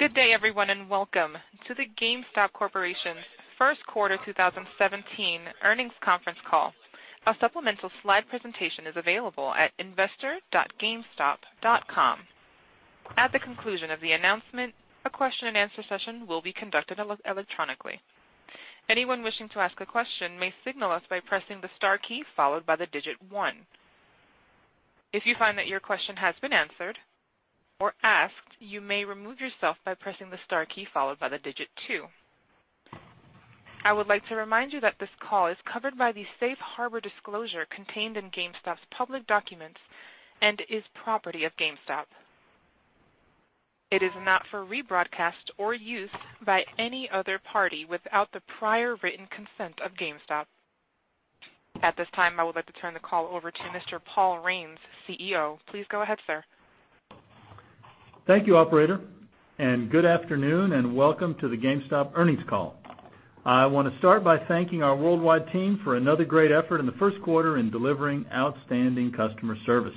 Good day everyone. Welcome to the GameStop Corporation's first quarter 2017 earnings conference call. A supplemental slide presentation is available at investor.gamestop.com. At the conclusion of the announcement, a question and answer session will be conducted electronically. Anyone wishing to ask a question may signal us by pressing the star key, followed by the digit 1. If you find that your question has been answered or asked, you may remove yourself by pressing the star key followed by the digit 2. I would like to remind you that this call is covered by the safe harbor disclosure contained in GameStop's public documents and is property of GameStop. It is not for rebroadcast or use by any other party without the prior written consent of GameStop. At this time, I would like to turn the call over to Mr. Paul Raines, CEO. Please go ahead, sir. Thank you, operator. Good afternoon, and welcome to the GameStop earnings call. I want to start by thanking our worldwide team for another great effort in the first quarter in delivering outstanding customer service.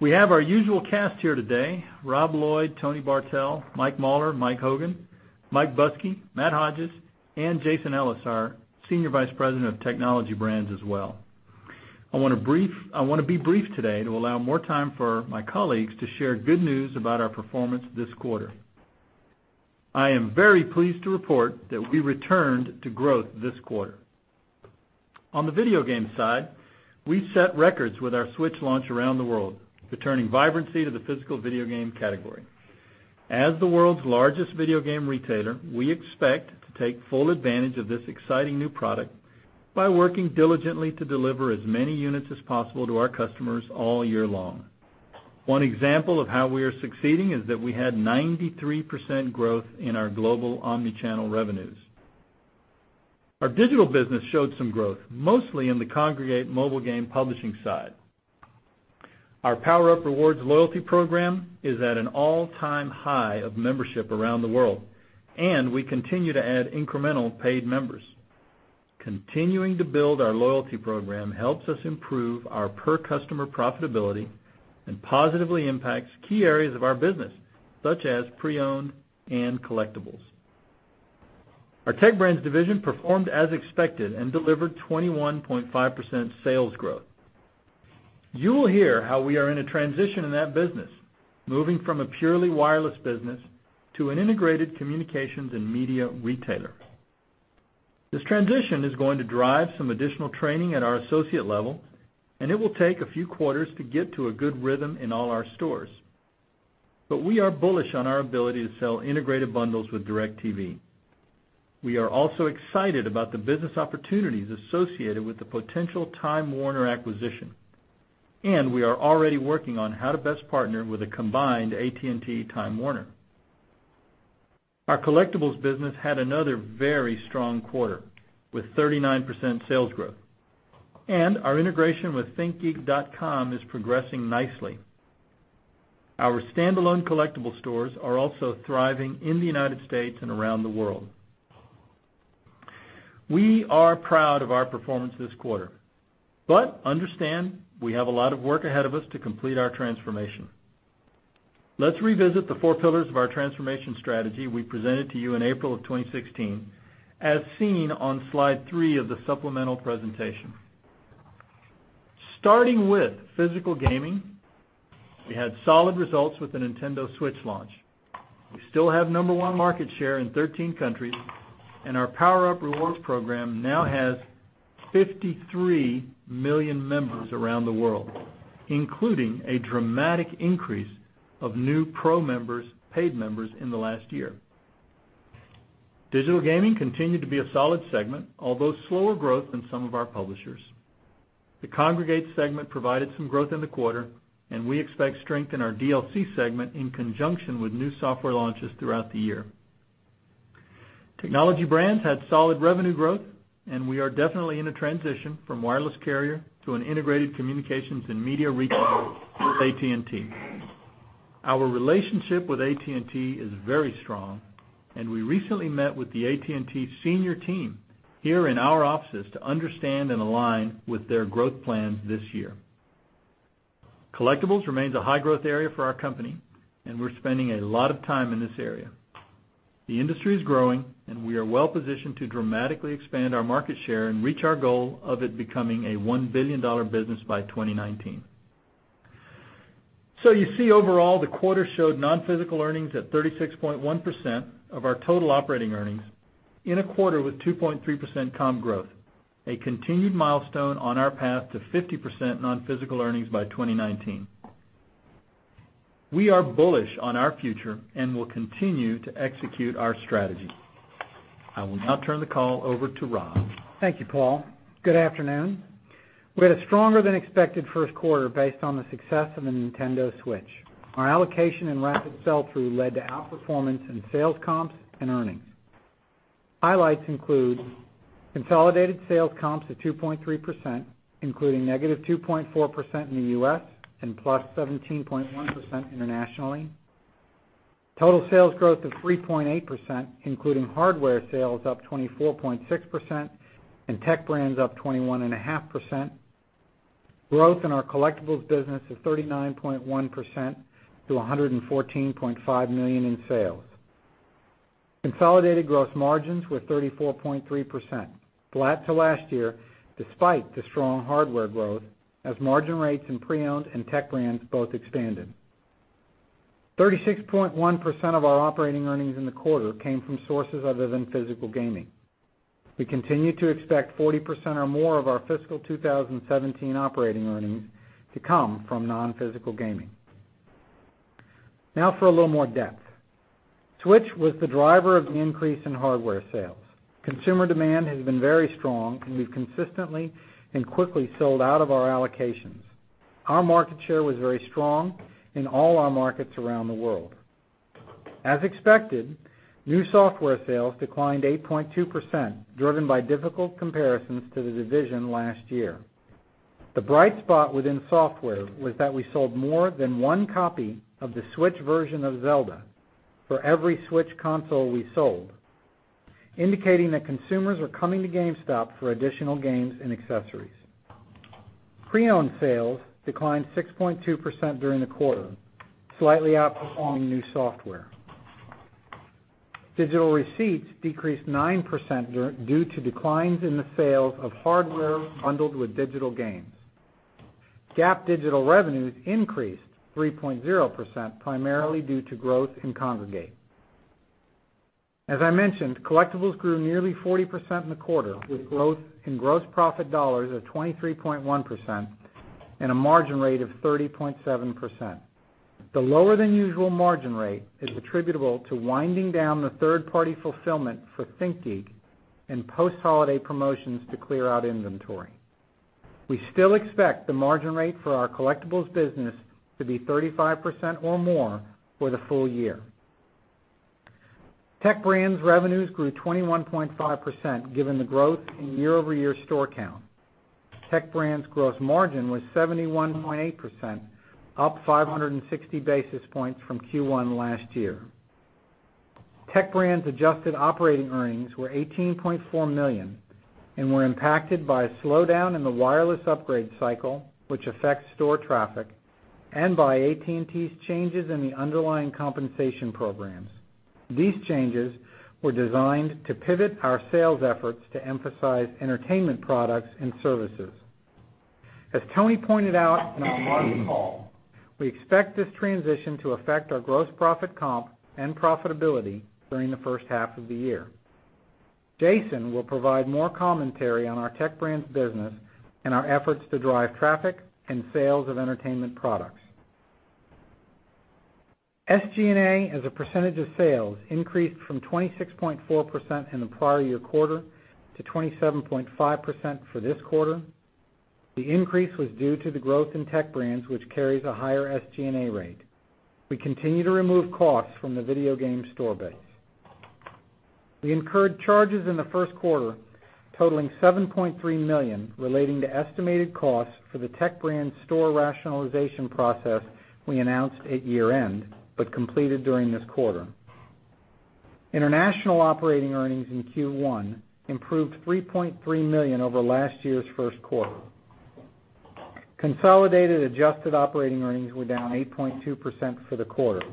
We have our usual cast here today, Rob Lloyd, Tony Bartel, Mike Mauler, Mike Hogan, Mike Buskey, Matt Hodges, and Jason Ellis, our Senior Vice President of Technology Brands as well. I want to be brief today to allow more time for my colleagues to share good news about our performance this quarter. I am very pleased to report that we returned to growth this quarter. On the video game side, we set records with our Switch launch around the world, returning vibrancy to the physical video game category. As the world's largest video game retailer, we expect to take full advantage of this exciting new product by working diligently to deliver as many units as possible to our customers all year long. One example of how we are succeeding is that we had 93% growth in our global omni-channel revenues. Our digital business showed some growth, mostly in the Kongregate mobile game publishing side. Our PowerUp Rewards loyalty program is at an all-time high of membership around the world, and we continue to add incremental paid members. Continuing to build our loyalty program helps us improve our per customer profitability and positively impacts key areas of our business, such as pre-owned and collectibles. Our Tech Brands division performed as expected and delivered 21.5% sales growth. You will hear how we are in a transition in that business, moving from a purely wireless business to an integrated communications and media retailer. This transition is going to drive some additional training at our associate level, and it will take a few quarters to get to a good rhythm in all our stores. We are bullish on our ability to sell integrated bundles with DIRECTV. We are also excited about the business opportunities associated with the potential Time Warner acquisition, and we are already working on how to best partner with a combined AT&T Time Warner. Our collectibles business had another very strong quarter, with 39% sales growth. Our integration with ThinkGeek.com is progressing nicely. Our standalone collectible stores are also thriving in the United States and around the world. We are proud of our performance this quarter. Understand we have a lot of work ahead of us to complete our transformation. Let's revisit the four pillars of our transformation strategy we presented to you in April of 2016, as seen on slide three of the supplemental presentation. Starting with physical gaming, we had solid results with the Nintendo Switch launch. We still have number one market share in 13 countries, and our PowerUp Rewards program now has 53 million members around the world, including a dramatic increase of new Pro members, paid members in the last year. Digital gaming continued to be a solid segment, although slower growth than some of our publishers. The Kongregate segment provided some growth in the quarter, and we expect strength in our DLC segment in conjunction with new software launches throughout the year. Technology Brands had solid revenue growth, and we are definitely in a transition from wireless carrier to an integrated communications and media retailer with AT&T. Our relationship with AT&T is very strong, and we recently met with the AT&T senior team here in our offices to understand and align with their growth plans this year. Collectibles remains a high-growth area for our company, and we're spending a lot of time in this area. The industry is growing, and we are well-positioned to dramatically expand our market share and reach our goal of it becoming a $1 billion business by 2019. You see overall, the quarter showed non-physical earnings at 36.1% of our total operating earnings in a quarter with 2.3% comm growth, a continued milestone on our path to 50% non-physical earnings by 2019. We are bullish on our future and will continue to execute our strategy. I will now turn the call over to Rob. Thank you, Paul. Good afternoon. We had a stronger than expected first quarter based on the success of the Nintendo Switch. Our allocation and rapid sell-through led to outperformance in sales comps and earnings. Highlights include consolidated sales comps of 2.3%, including -2.4% in the U.S. and +17.1% internationally. Total sales growth of 3.8%, including hardware sales up 24.6% and Tech Brands up 21.5%. Growth in our Collectibles business is 39.1% to $114.5 million in sales. Consolidated gross margins were 34.3%, flat to last year despite the strong hardware growth as margin rates in pre-owned and Tech Brands both expanded. 36.1% of our operating earnings in the quarter came from sources other than physical gaming. We continue to expect 40% or more of our fiscal 2017 operating earnings to come from non-physical gaming. For a little more depth. Switch was the driver of the increase in hardware sales. We've consistently and quickly sold out of our allocations. Our market share was very strong in all our markets around the world. As expected, new software sales declined 8.2%, driven by difficult comparisons to the division last year. The bright spot within software was that we sold more than one copy of the Switch version of Zelda for every Switch console we sold, indicating that consumers are coming to GameStop for additional games and accessories. Pre-owned sales declined 6.2% during the quarter, slightly outperforming new software. Digital receipts decreased 9% due to declines in the sales of hardware bundled with digital games. GAAP digital revenues increased 3.0%, primarily due to growth in Kongregate. As I mentioned, collectibles grew nearly 40% in the quarter, with growth in gross profit dollars of 23.1% and a margin rate of 30.7%. The lower-than-usual margin rate is attributable to winding down the third-party fulfillment for ThinkGeek and post-holiday promotions to clear out inventory. We still expect the margin rate for our collectibles business to be 35% or more for the full year. Tech Brands revenues grew 21.5% given the growth in year-over-year store count. Tech Brands' gross margin was 71.8%, up 560 basis points from Q1 last year. Tech Brands' adjusted operating earnings were $18.4 million and were impacted by a slowdown in the wireless upgrade cycle, which affects store traffic, and by AT&T's changes in the underlying compensation programs. These changes were designed to pivot our sales efforts to emphasize entertainment products and services. As Tony pointed out in our March call, we expect this transition to affect our gross profit comp and profitability during the first half of the year. Jason will provide more commentary on our Tech Brands business and our efforts to drive traffic and sales of entertainment products. SG&A as a percentage of sales increased from 26.4% in the prior year quarter to 27.5% for this quarter. The increase was due to the growth in Tech Brands, which carries a higher SG&A rate. We continue to remove costs from the video game store base. We incurred charges in the first quarter totaling $7.3 million relating to estimated costs for the Tech Brands store rationalization process we announced at year-end but completed during this quarter. International operating earnings in Q1 improved $3.3 million over last year's first quarter. Consolidated adjusted operating earnings were down 8.2% for the quarter.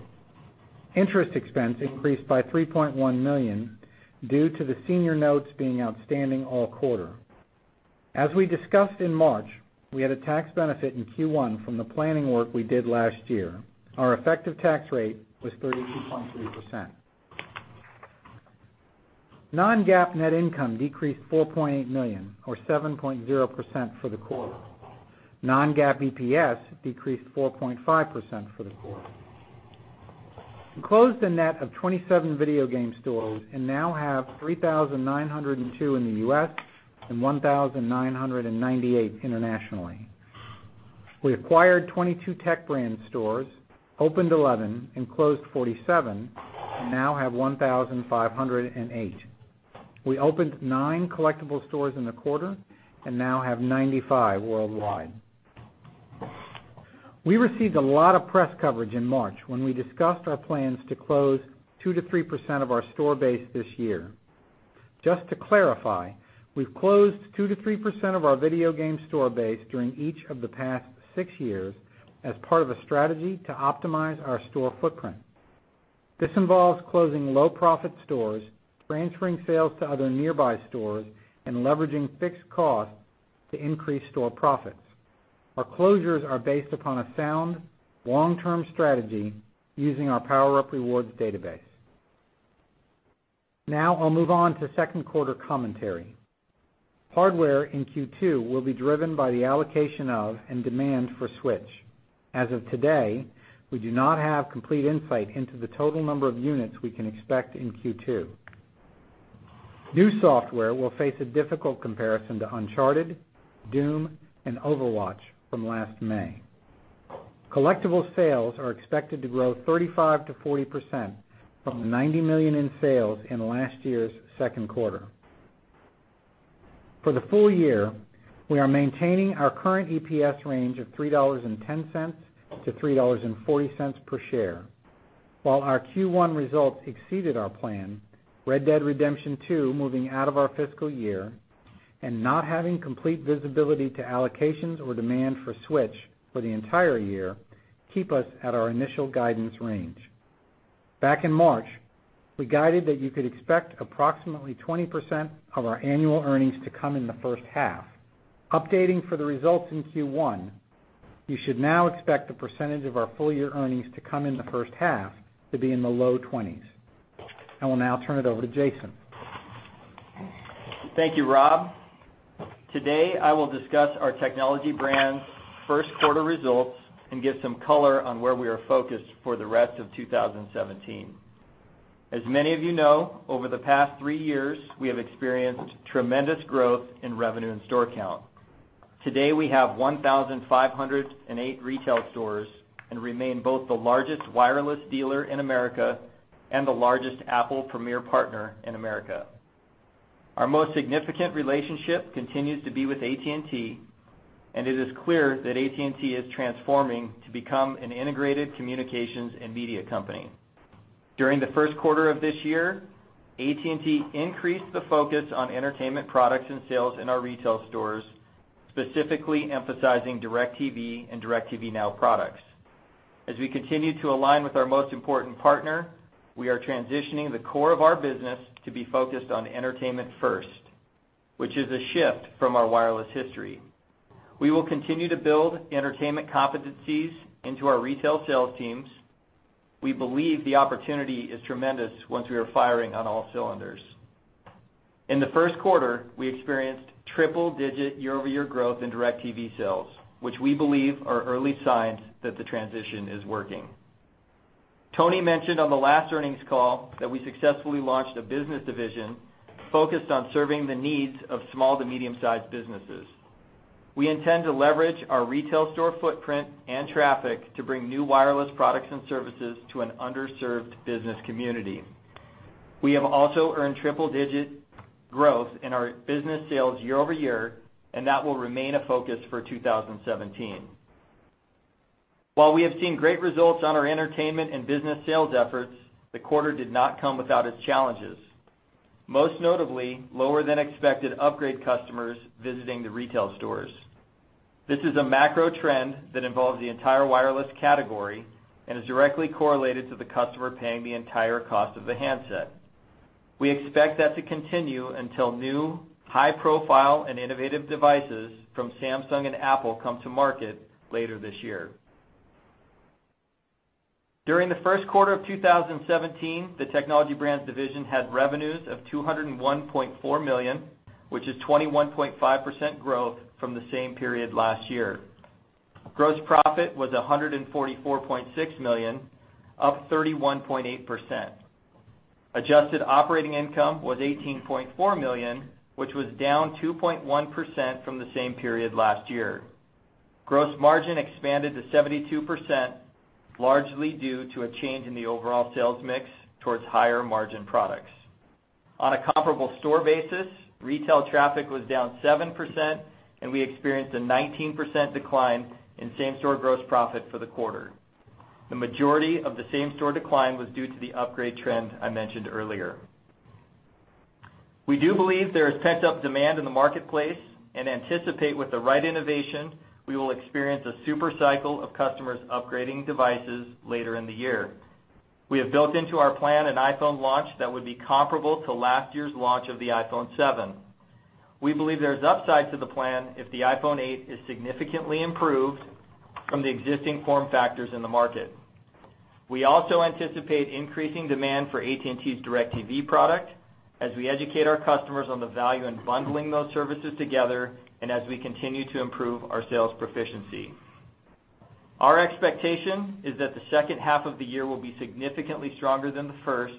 Interest expense increased by $3.1 million due to the senior notes being outstanding all quarter. As we discussed in March, we had a tax benefit in Q1 from the planning work we did last year. Our effective tax rate was 32.3%. Non-GAAP net income decreased $4.8 million or 7.0% for the quarter. Non-GAAP EPS decreased 4.5% for the quarter. We closed a net of 27 video game stores and now have 3,902 in the U.S. and 1,998 internationally. We acquired 22 Tech Brands stores, opened 11 and closed 47, and now have 1,508. We opened nine collectible stores in the quarter and now have 95 worldwide. We received a lot of press coverage in March when we discussed our plans to close 2%-3% of our store base this year. Just to clarify, we've closed 2%-3% of our video game store base during each of the past six years as part of a strategy to optimize our store footprint. This involves closing low-profit stores, transferring sales to other nearby stores, and leveraging fixed costs to increase store profits. Our closures are based upon a sound, long-term strategy using our PowerUp Rewards database. Now I will move on to second quarter commentary. Hardware in Q2 will be driven by the allocation of and demand for Switch. As of today, we do not have complete insight into the total number of units we can expect in Q2. New software will face a difficult comparison to Uncharted, Doom, and Overwatch from last May. Collectibles sales are expected to grow 35%-40% from the $90 million in sales in last year's second quarter. For the full year, we are maintaining our current EPS range of $3.10-$3.40 per share. While our Q1 results exceeded our plan, Red Dead Redemption 2 moving out of our fiscal year, and not having complete visibility to allocations or demand for Switch for the entire year, keep us at our initial guidance range. Back in March, we guided that you could expect approximately 20% of our annual earnings to come in the first half. Updating for the results in Q1, you should now expect the percentage of our full-year earnings to come in the first half to be in the low twenties. I will now turn it over to Jason. Thank you, Rob. Today, I will discuss our Technology Brands' first quarter results and give some color on where we are focused for the rest of 2017. As many of you know, over the past three years, we have experienced tremendous growth in revenue and store count. Today, we have 1,508 retail stores and remain both the largest wireless dealer in America and the largest Apple premier partner in America. Our most significant relationship continues to be with AT&T. It is clear that AT&T is transforming to become an integrated communications and media company. During the first quarter of this year, AT&T increased the focus on entertainment products and sales in our retail stores, specifically emphasizing DIRECTV and DIRECTV NOW products. We continue to align with our most important partner. We are transitioning the core of our business to be focused on entertainment first, which is a shift from our wireless history. We will continue to build entertainment competencies into our retail sales teams. We believe the opportunity is tremendous once we are firing on all cylinders. In the first quarter, we experienced triple-digit year-over-year growth in DIRECTV sales, which we believe are early signs that the transition is working. Tony mentioned on the last earnings call that we successfully launched a business division focused on serving the needs of small to medium-sized businesses. We intend to leverage our retail store footprint and traffic to bring new wireless products and services to an underserved business community. We have also earned triple-digit growth in our business sales year-over-year. That will remain a focus for 2017. While we have seen great results on our entertainment and business sales efforts, the quarter did not come without its challenges, most notably lower than expected upgrade customers visiting the retail stores. This is a macro trend that involves the entire wireless category and is directly correlated to the customer paying the entire cost of the handset. We expect that to continue until new high-profile and innovative devices from Samsung and Apple come to market later this year. During the first quarter of 2017, the Technology Brands division had revenues of $201.4 million, which is 21.5% growth from the same period last year. Gross profit was $144.6 million, up 31.8%. Adjusted operating income was $18.4 million, which was down 2.1% from the same period last year. Gross margin expanded to 72%, largely due to a change in the overall sales mix towards higher margin products. On a comparable store basis, retail traffic was down 7%. We experienced a 19% decline in same-store gross profit for the quarter. The majority of the same-store decline was due to the upgrade trends I mentioned earlier. We do believe there is pent-up demand in the marketplace and anticipate with the right innovation, we will experience a super cycle of customers upgrading devices later in the year. We have built into our plan an iPhone launch that would be comparable to last year's launch of the iPhone 7. We believe there is upside to the plan if the iPhone 8 is significantly improved from the existing form factors in the market. We also anticipate increasing demand for AT&T's DIRECTV product as we educate our customers on the value in bundling those services together and as we continue to improve our sales proficiency. Our expectation is that the second half of the year will be significantly stronger than the first.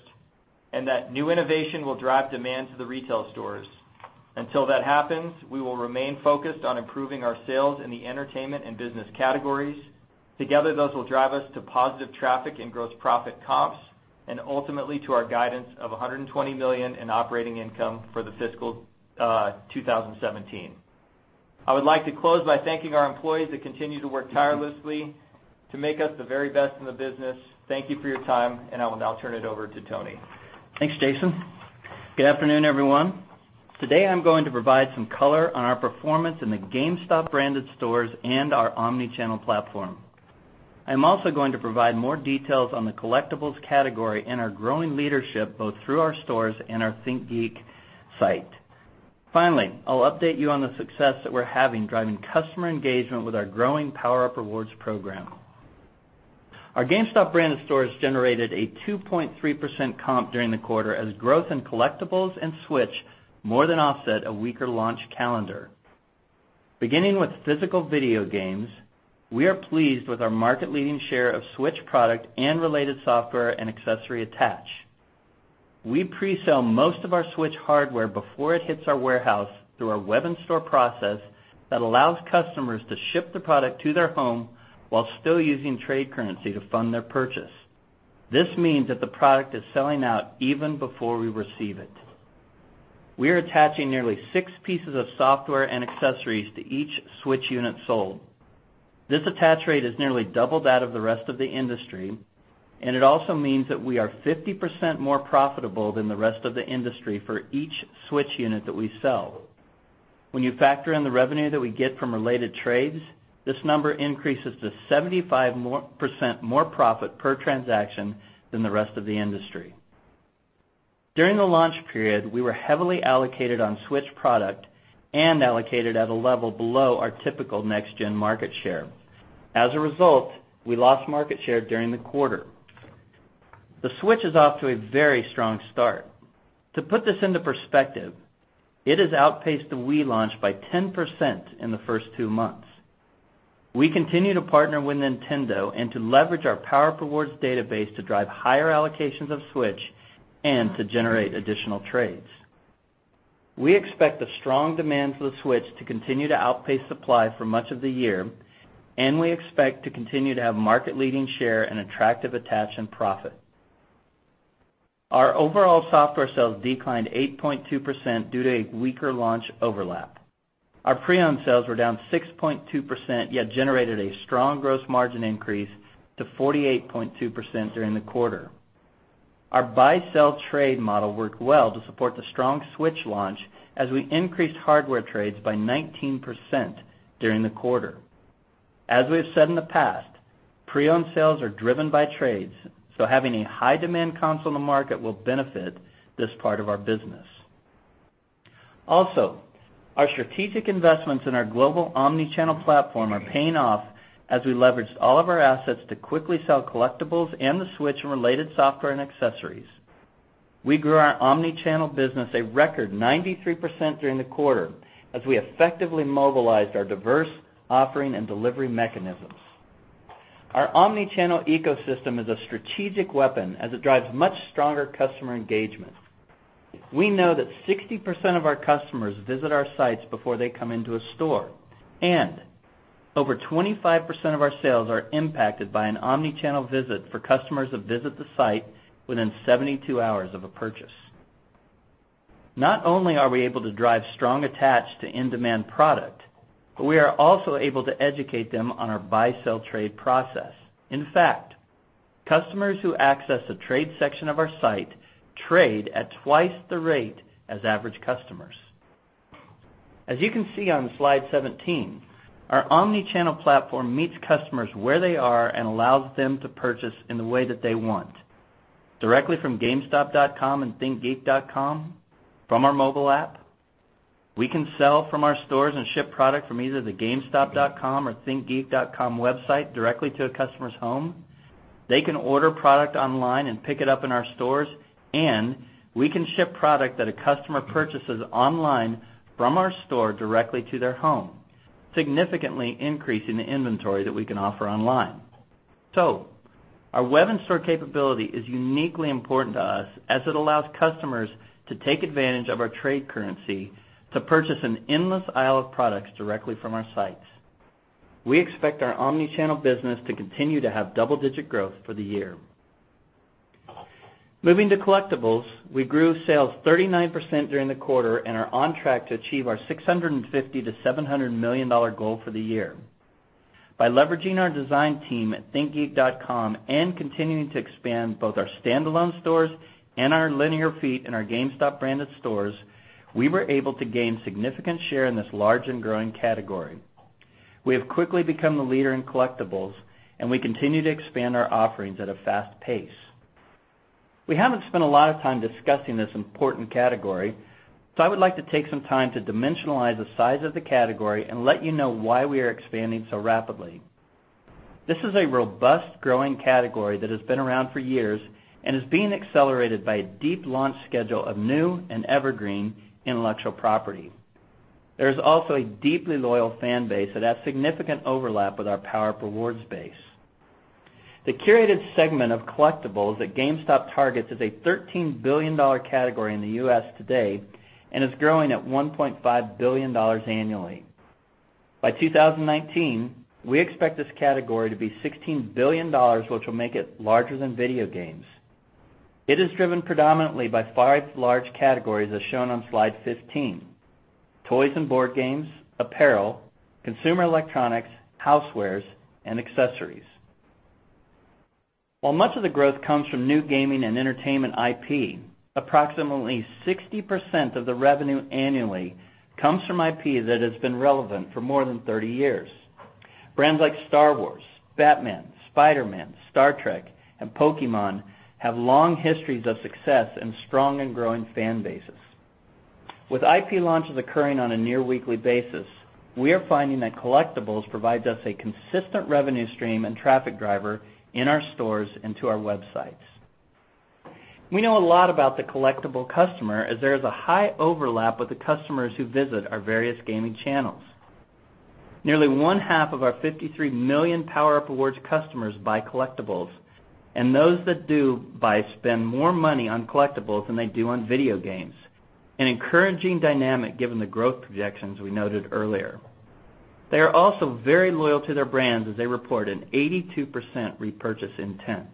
New innovation will drive demand to the retail stores. Until that happens, we will remain focused on improving our sales in the entertainment and business categories. Together, those will drive us to positive traffic and gross profit comps and ultimately to our guidance of $120 million in operating income for the fiscal 2017. I would like to close by thanking our employees that continue to work tirelessly to make us the very best in the business. Thank you for your time, and I will now turn it over to Tony. Thanks, Jason. Good afternoon, everyone. Today, I'm going to provide some color on our performance in the GameStop branded stores and our omni-channel platform. I'm also going to provide more details on the collectibles category and our growing leadership, both through our stores and our ThinkGeek.com. Finally, I'll update you on the success that we're having driving customer engagement with our growing PowerUp Rewards program. Our GameStop branded stores generated a 2.3% comp during the quarter as growth in collectibles and Switch more than offset a weaker launch calendar. Beginning with physical video games, we are pleased with our market leading share of Switch product and related software and accessory attach. We pre-sell most of our Switch hardware before it hits our warehouse through our web and store process that allows customers to ship the product to their home while still using trade currency to fund their purchase. This means that the product is selling out even before we receive it. We are attaching nearly six pieces of software and accessories to each Switch unit sold. This attach rate is nearly double that of the rest of the industry, and it also means that we are 50% more profitable than the rest of the industry for each Switch unit that we sell. When you factor in the revenue that we get from related trades, this number increases to 75% more profit per transaction than the rest of the industry. During the launch period, we were heavily allocated on Switch product and allocated at a level below our typical next-gen market share. As a result, we lost market share during the quarter. The Switch is off to a very strong start. To put this into perspective, it has outpaced the Wii launch by 10% in the first two months. We continue to partner with Nintendo to leverage our PowerUp Rewards database to drive higher allocations of Switch and to generate additional trades. We expect the strong demand for the Switch to continue to outpace supply for much of the year, we expect to continue to have market-leading share and attractive attach and profit. Our overall software sales declined 8.2% due to a weaker launch overlap. Our pre-owned sales were down 6.2%, yet generated a strong gross margin increase to 48.2% during the quarter. Our buy-sell trade model worked well to support the strong Switch launch as we increased hardware trades by 19% during the quarter. As we have said in the past, pre-owned sales are driven by trades, having a high-demand console on the market will benefit this part of our business. Our strategic investments in our global omni-channel platform are paying off as we leveraged all of our assets to quickly sell collectibles and the Switch and related software and accessories. We grew our omni-channel business a record 93% during the quarter as we effectively mobilized our diverse offering and delivery mechanisms. Our omni-channel ecosystem is a strategic weapon as it drives much stronger customer engagement. We know that 60% of our customers visit our sites before they come into a store, over 25% of our sales are impacted by an omni-channel visit for customers that visit the site within 72 hours of a purchase. Not only are we able to drive strong attach to in-demand product, we are also able to educate them on our buy-sell trade process. In fact, customers who access the trade section of our site trade at twice the rate as average customers. As you can see on slide 17, our omni-channel platform meets customers where they are allows them to purchase in the way that they want. Directly from gamestop.com and thinkgeek.com, from our mobile app, we can sell from our stores and ship product from either the gamestop.com or thinkgeek.com website directly to a customer's home. They can order product online pick it up in our stores, we can ship product that a customer purchases online from our store directly to their home, significantly increasing the inventory that we can offer online. Our web and store capability is uniquely important to us as it allows customers to take advantage of our trade currency to purchase an endless aisle of products directly from our sites. We expect our omni-channel business to continue to have double-digit growth for the year. Moving to collectibles, we grew sales 39% during the quarter and are on track to achieve our $650 million-$700 million goal for the year. By leveraging our design team at ThinkGeek.com and continuing to expand both our standalone stores and our linear feet in our GameStop-branded stores, we were able to gain significant share in this large and growing category. We have quickly become the leader in collectibles, and we continue to expand our offerings at a fast pace. We haven't spent a lot of time discussing this important category, so I would like to take some time to dimensionalize the size of the category and let you know why we are expanding so rapidly. This is a robust, growing category that has been around for years and is being accelerated by a deep launch schedule of new and evergreen intellectual property. There is also a deeply loyal fan base that has significant overlap with our PowerUp Rewards base. The curated segment of collectibles that GameStop targets is a $13 billion category in the U.S. today, and is growing at $1.5 billion annually. By 2019, we expect this category to be $16 billion, which will make it larger than video games. It is driven predominantly by five large categories, as shown on slide 15: toys and board games, apparel, consumer electronics, housewares, and accessories. While much of the growth comes from new gaming and entertainment IP, approximately 60% of the revenue annually comes from IP that has been relevant for more than 30 years. Brands like Star Wars, Batman, Spider-Man, Star Trek, and Pokémon have long histories of success and strong and growing fan bases. With IP launches occurring on a near weekly basis, we are finding that collectibles provides us a consistent revenue stream and traffic driver in our stores and to our websites. We know a lot about the collectible customer as there is a high overlap with the customers who visit our various gaming channels. Nearly one half of our 53 million PowerUp Rewards customers buy collectibles, and those that do buy spend more money on collectibles than they do on video games, an encouraging dynamic given the growth projections we noted earlier. They are also very loyal to their brands as they report an 82% repurchase intent.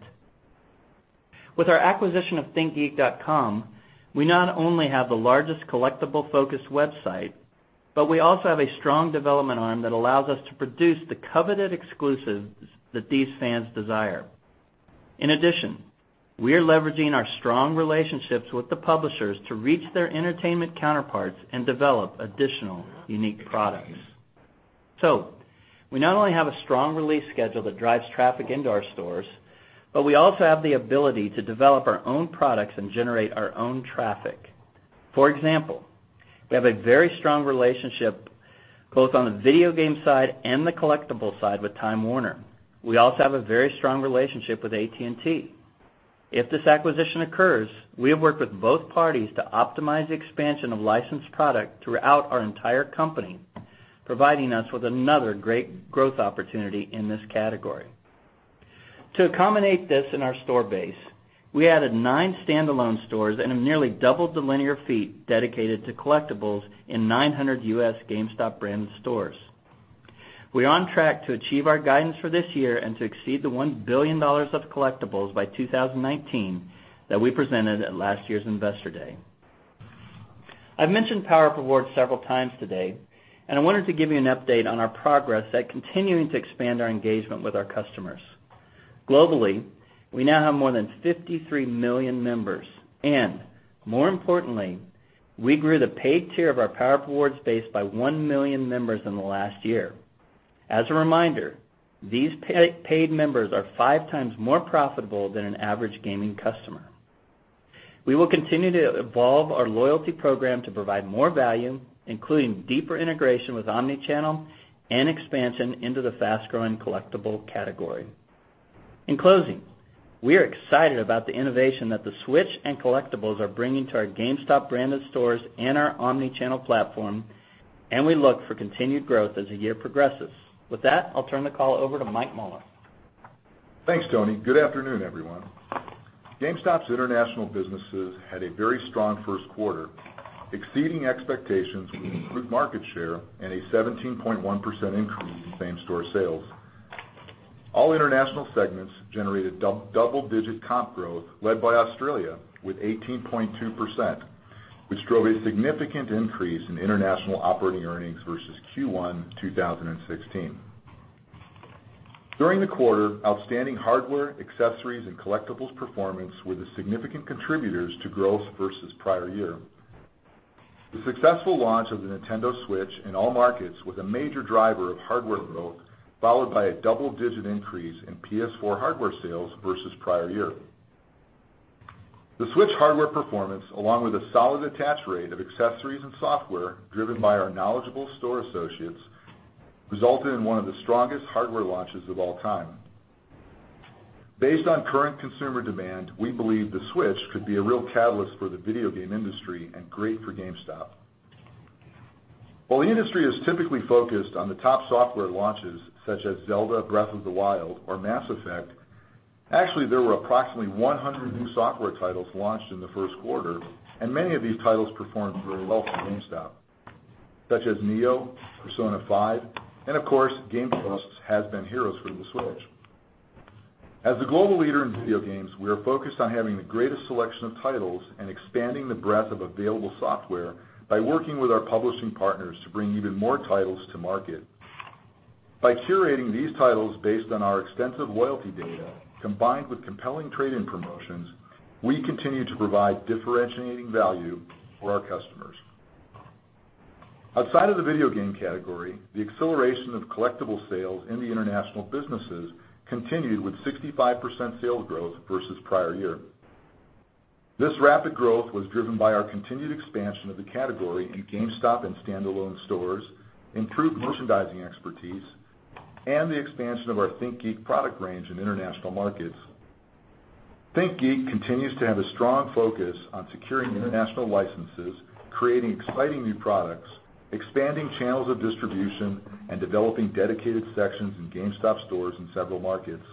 With our acquisition of ThinkGeek.com, we not only have the largest collectible-focused website, but we also have a strong development arm that allows us to produce the coveted exclusives that these fans desire. In addition, we are leveraging our strong relationships with the publishers to reach their entertainment counterparts and develop additional unique products. We not only have a strong release schedule that drives traffic into our stores, but we also have the ability to develop our own products and generate our own traffic. For example, we have a very strong relationship both on the video game side and the collectible side with Time Warner. We also have a very strong relationship with AT&T. If this acquisition occurs, we have worked with both parties to optimize the expansion of licensed product throughout our entire company, providing us with another great growth opportunity in this category. To accommodate this in our store base, we added nine standalone stores and have nearly doubled the linear feet dedicated to collectibles in 900 U.S. GameStop-branded stores. We're on track to achieve our guidance for this year and to exceed the $1 billion of collectibles by 2019 that we presented at last year's Investor Day. I've mentioned PowerUp Rewards several times today, I wanted to give you an update on our progress that continuing to expand our engagement with our customers. Globally, we now have more than 53 million members. More importantly, we grew the paid tier of our PowerUp Rewards base by 1 million members in the last year. As a reminder, these paid members are five times more profitable than an average gaming customer. We will continue to evolve our loyalty program to provide more value, including deeper integration with omni-channel and expansion into the fast-growing collectible category. In closing, we are excited about the innovation that the Switch and collectibles are bringing to our GameStop-branded stores and our omni-channel platform. We look for continued growth as the year progresses. With that, I'll turn the call over to Mike Mauler. Thanks, Tony. Good afternoon, everyone. GameStop's international businesses had a very strong first quarter, exceeding expectations with improved market share and a 17.1% increase in same-store sales. All international segments generated double-digit comp growth led by Australia with 18.2%, which drove a significant increase in international operating earnings versus Q1 2016. During the quarter, outstanding hardware, accessories, and collectibles performance were the significant contributors to growth versus prior year. The successful launch of the Nintendo Switch in all markets was a major driver of hardware growth, followed by a double-digit increase in PS4 hardware sales versus the prior year. The Switch hardware performance, along with a solid attach rate of accessories and software driven by our knowledgeable store associates, resulted in one of the strongest hardware launches of all time. Based on current consumer demand, we believe the Switch could be a real catalyst for the video game industry and great for GameStop. While the industry is typically focused on the top software launches such as The Legend of Zelda: Breath of the Wild or Mass Effect, actually, there were approximately 100 new software titles launched in the first quarter. Many of these titles performed very well for GameStop, such as Nioh, Persona 5, and of course, GameTrust's Has-Been Heroes for the Switch. As the global leader in video games, we are focused on having the greatest selection of titles and expanding the breadth of available software by working with our publishing partners to bring even more titles to market. By curating these titles based on our extensive loyalty data, combined with compelling trade-in promotions, we continue to provide differentiating value for our customers. Outside of the video game category, the acceleration of collectible sales in the international businesses continued with 65% sales growth versus the prior year. This rapid growth was driven by our continued expansion of the category in GameStop and standalone stores, improved merchandising expertise, and the expansion of our ThinkGeek product range in international markets. ThinkGeek continues to have a strong focus on securing international licenses, creating exciting new products, expanding channels of distribution, and developing dedicated sections in GameStop stores in several markets.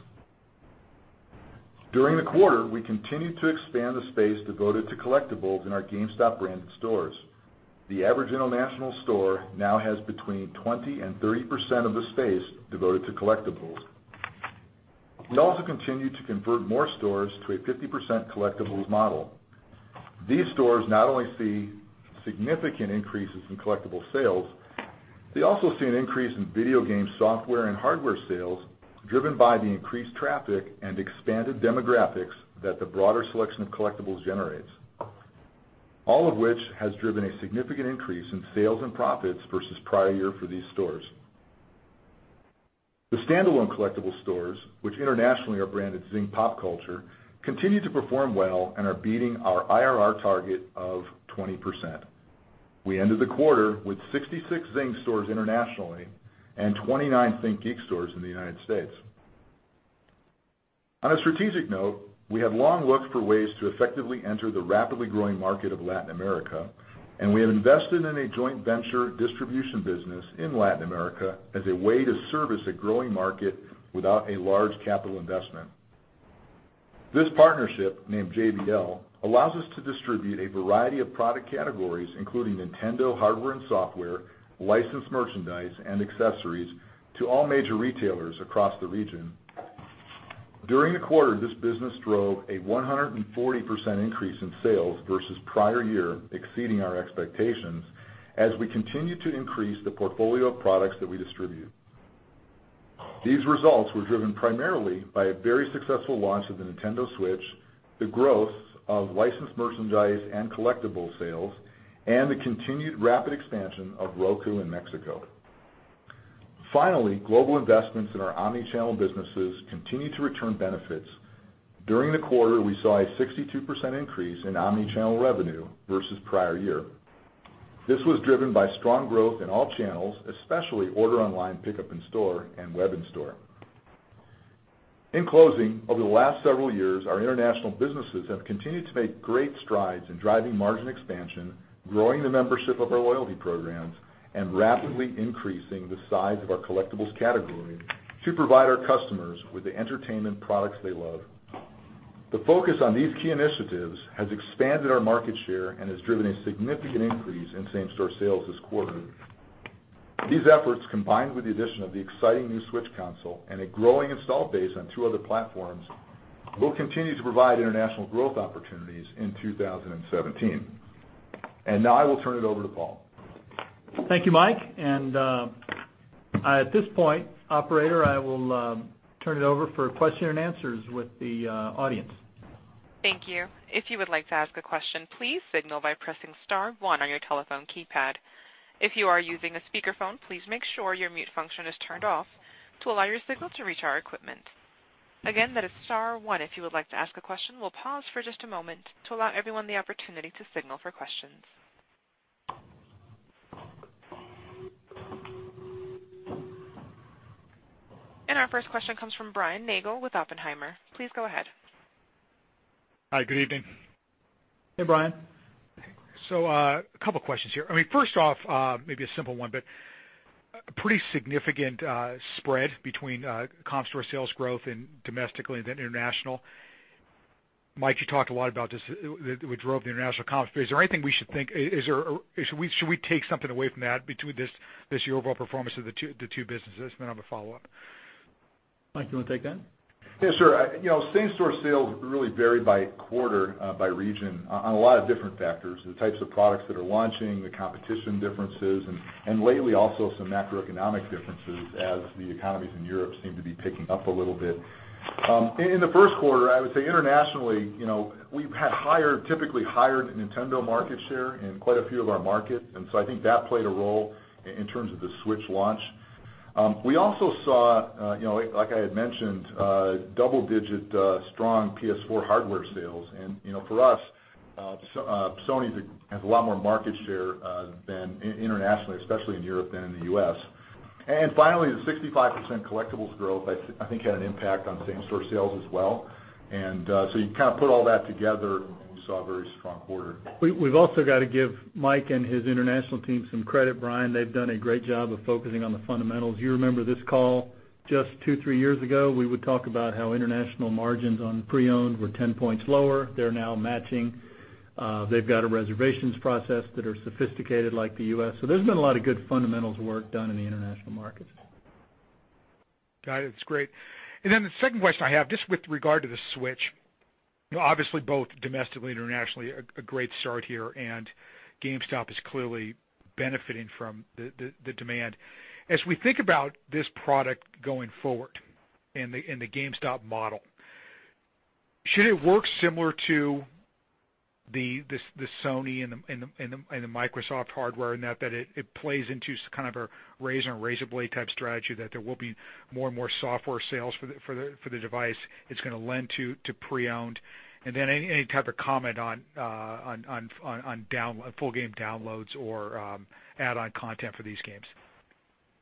During the quarter, we continued to expand the space devoted to collectibles in our GameStop branded stores. The average international store now has between 20% and 30% of the space devoted to collectibles. We also continued to convert more stores to a 50% collectibles model. These stores not only see significant increases in collectible sales, they also see an increase in video game software and hardware sales driven by the increased traffic and expanded demographics that the broader selection of collectibles generates. All of which has driven a significant increase in sales and profits versus the prior year for these stores. The standalone collectible stores, which internationally are branded Zing Pop Culture, continue to perform well and are beating our IRR target of 20%. We ended the quarter with 66 Zing stores internationally and 29 ThinkGeek stores in the U.S. On a strategic note, we have long looked for ways to effectively enter the rapidly growing market of Latin America. We have invested in a joint venture distribution business in Latin America as a way to service a growing market without a large capital investment. This partnership, named JBL, allows us to distribute a variety of product categories, including Nintendo hardware and software, licensed merchandise, and accessories to all major retailers across the region. During the quarter, this business drove a 140% increase in sales versus prior year, exceeding our expectations, as we continue to increase the portfolio of products that we distribute. These results were driven primarily by a very successful launch of the Nintendo Switch, the growth of licensed merchandise and collectible sales, and the continued rapid expansion of Roku in Mexico. Global investments in our omni-channel businesses continue to return benefits. During the quarter, we saw a 62% increase in omni-channel revenue versus prior year. This was driven by strong growth in all channels, especially order online, pickup in store, and web in store. In closing, over the last several years, our international businesses have continued to make great strides in driving margin expansion, growing the membership of our loyalty programs, and rapidly increasing the size of our collectibles category to provide our customers with the entertainment products they love. The focus on these key initiatives has expanded our market share and has driven a significant increase in same-store sales this quarter. These efforts, combined with the addition of the exciting new Switch console and a growing install base on two other platforms, will continue to provide international growth opportunities in 2017. Now I will turn it over to Paul. Thank you, Mike. At this point, operator, I will turn it over for question and answers with the audience. Thank you. If you would like to ask a question, please signal by pressing star one on your telephone keypad. If you are using a speakerphone, please make sure your mute function is turned off to allow your signal to reach our equipment. Again, that is star one if you would like to ask a question. We'll pause for just a moment to allow everyone the opportunity to signal for questions. Our first question comes from Brian Nagel with Oppenheimer. Please go ahead. Hi, good evening. Hey, Brian. A couple of questions here. First off, maybe a simple one, but a pretty significant spread between comp store sales growth domestically and then international. Mike, you talked a lot about this, that what drove the international comp space. Is there anything we should take something away from that between this overall performance of the two businesses? I have a follow-up. Mike, you want to take that? Yes, sir. Same-store sales really vary by quarter, by region, on a lot of different factors, the types of products that are launching, the competition differences, and lately, also some macroeconomic differences as the economies in Europe seem to be picking up a little bit. In the first quarter, I would say internationally, we've had typically higher Nintendo market share in quite a few of our markets. I think that played a role in terms of the Switch launch. We also saw, like I had mentioned, double-digit strong PS4 hardware sales. For us, Sony has a lot more market share internationally, especially in Europe, than in the U.S. Finally, the 65% collectibles growth, I think, had an impact on same-store sales as well. You put all that together, and we saw a very strong quarter. We've also got to give Mike and his international team some credit, Brian. They've done a great job of focusing on the fundamentals. You remember this call just two, three years ago, we would talk about how international margins on pre-owned were 10 points lower. They're now matching. They've got a reservations process that are sophisticated like the U.S. There's been a lot of good fundamentals work done in the international markets. Got it. That's great. The second question I have, just with regard to the Switch, obviously both domestically, internationally, a great start here, and GameStop is clearly benefiting from the demand. As we think about this product going forward and the GameStop model, should it work similar to the Sony and the Microsoft hardware in that it plays into a razor-and-razor blade type strategy that there will be more and more software sales for the device it's going to lend to pre-owned? Any type of comment on full game downloads or add-on content for these games?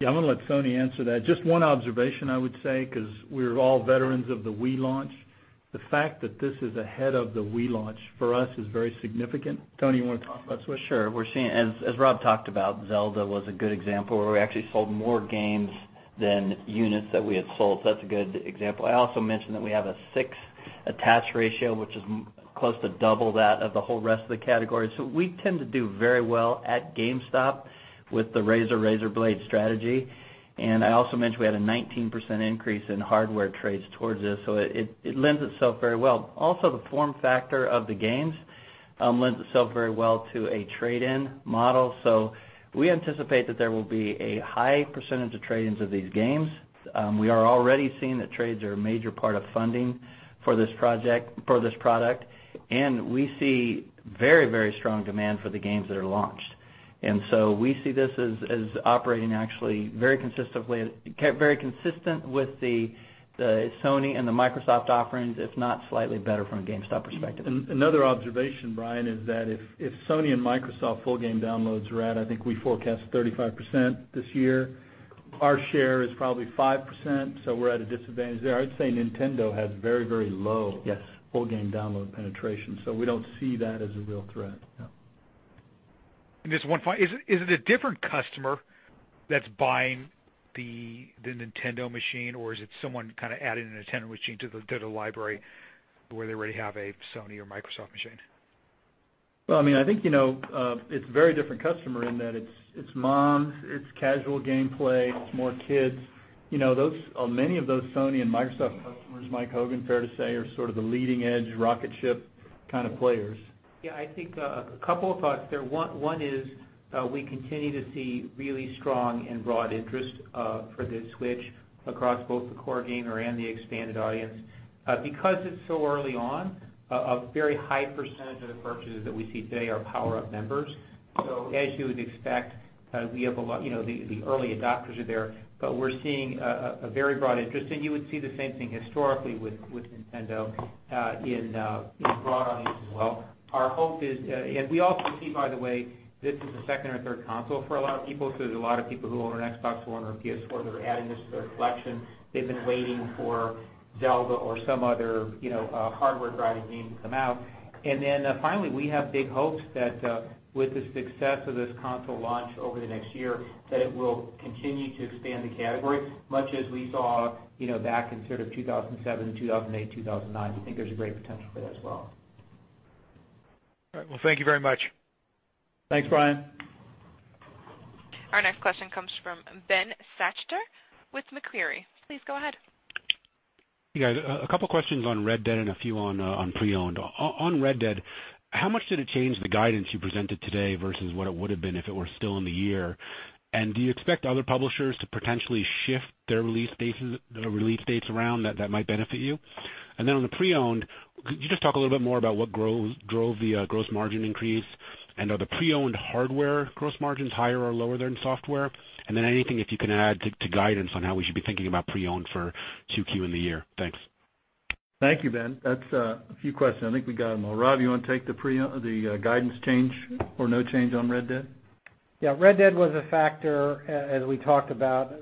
Yeah, I'm going to let Tony answer that. Just one observation I would say because we're all veterans of the Wii launch. The fact that this is ahead of the Wii launch for us is very significant. Tony, you want to talk about Switch? Sure. As Rob talked about, Zelda was a good example where we actually sold more games than units that we had sold. That's a good example. I also mentioned that we have a 6 attach ratio, which is close to double that of the whole rest of the category. We tend to do very well at GameStop with the razor-razor blade strategy. I also mentioned we had a 19% increase in hardware trades towards this, it lends itself very well. Also, the form factor of the games lends itself very well to a trade-in model. We anticipate that there will be a high percentage of trade-ins of these games. We are already seeing that trades are a major part of funding for this product, we see very strong demand for the games that are launched. We see this as operating actually very consistent with the Sony and the Microsoft offerings, if not slightly better from a GameStop perspective. Another observation, Brian, is that if Sony and Microsoft full game downloads are at, I think we forecast 35% this year, our share is probably 5%, so we're at a disadvantage there. I'd say Nintendo has very low- Yes full game download penetration. We don't see that as a real threat. Yeah. Just one final. Is it a different customer that's buying the Nintendo machine, or is it someone adding a Nintendo machine to the library where they already have a Sony or Microsoft machine? Well, I think it's a very different customer in that it's moms, it's casual gameplay, it's more kids. Many of those Sony and Microsoft customers, Michael Hogan, fair to say, are sort of the leading edge rocket ship kind of players. Yeah, I think a couple of thoughts there. One is we continue to see really strong and broad interest for this Switch across both the core gamer and the expanded audience. Because it's so early on, a very high percentage of the purchases that we see today are PowerUp members. As you would expect, the early adopters are there, but we're seeing a very broad interest. You would see the same thing historically with Nintendo in broad audience as well. Our hope is. We also see, by the way, this is the second or third console for a lot of people, so there's a lot of people who own an Xbox, who own a PS4, that are adding this to their collection. They've been waiting for Zelda or some other hardware-driving game to come out. Finally, we have big hopes that with the success of this console launch over the next year, that it will continue to expand the category, much as we saw back in sort of 2007, 2008, 2009. We think there's a great potential for that as well. All right. Well, thank you very much. Thanks, Brian. Our next question comes from Ben Schachter with Macquarie. Please go ahead. Yeah, a couple questions on Red Dead and a few on pre-owned. On Red Dead, how much did it change the guidance you presented today versus what it would have been if it were still in the year? Do you expect other publishers to potentially shift their release dates around that might benefit you? On the pre-owned, could you just talk a little bit more about what drove the gross margin increase? Are the pre-owned hardware gross margins higher or lower than software? Anything, if you can add to guidance on how we should be thinking about pre-owned for 2Q in the year. Thanks. Thank you, Ben. That's a few questions. I think we got them all. Rob, you want to take the guidance change or no change on Red Dead? Yeah. Red Dead was a factor, as we talked about.